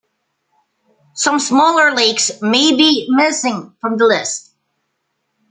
Some smaller lakes may be missing from the list.